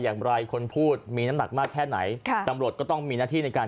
อย่างไรคนพูดมีน้ำหนักมากแค่ไหนค่ะตำรวจก็ต้องมีหน้าที่ในการ